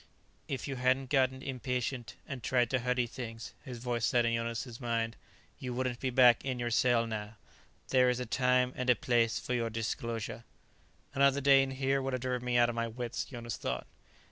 "If you hadn't got impatient and tried to hurry things," his voice said in Jonas' mind, "you wouldn't be back in your cell now. There is a time and a place for your disclosure " "Another day in here would have driven me out of my wits," Jonas thought.